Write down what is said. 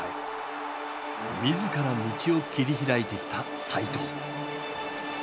自ら道を切り開いてきた齋藤。